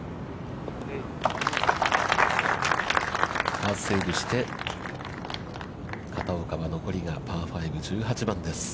パーセーブして、片岡は残りがパー５、１８番です。